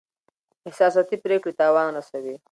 احساساتي پریکړې تاوان رسوي.